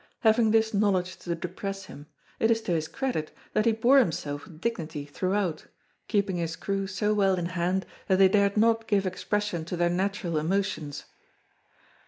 Having this knowledge to depress him, it is to his credit that he bore himself with dignity throughout, keeping his crew so well in hand that they dared not give expression to their natural emotions.